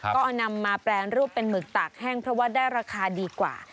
ก็เอานำมาแปรรูปเป็นหมึกตากแห้งเพราะว่าได้ราคาดีกว่า